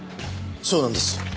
そうなんです。